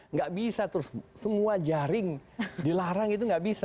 nggak bisa terus semua jaring dilarang itu nggak bisa